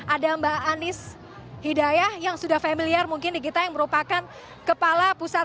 ada mbak anies hidayah yang sudah familiar mungkin di kita yang merupakan kepala pusat